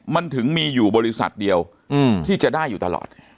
มันถึงมีอยู่บริษัทเดียวที่จะได้อยู่ตลอด